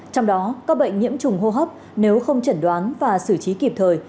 trong đó các bệnh nhiễm trùng hô hấp nếu không chẩn đoán và xử trí kịp thời